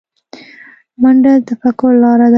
منډه د تفکر لاره ده